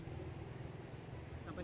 sampai seberapa pak